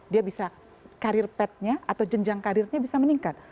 dia bisa carrier pet nya atau jenjang karirnya bisa meningkat